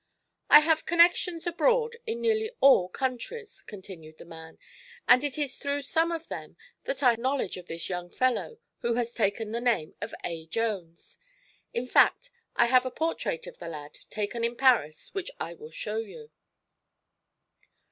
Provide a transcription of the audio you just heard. "I have connections abroad, in nearly all countries," continued the man, "and it is through some of them that I have knowledge of this young fellow who has taken the name of A. Jones. In fact, I have a portrait of the lad, taken in Paris, which I will show you."